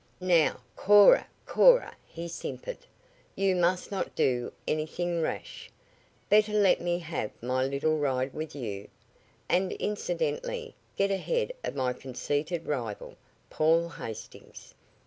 "Now, Cora, Cora," he simpered. "You must not do anything rash. Better let me have my little ride with you, and incidentally get ahead of my conceited rival, Paul Hastings.